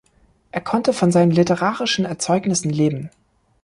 Er konnte von seinen literarischen Erzeugnissen leben.